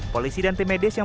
polisi dan tim medis yang